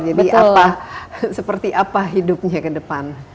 jadi seperti apa hidupnya ke depan